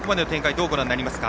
どうご覧になりますか？